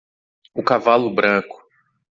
O cavalo branco.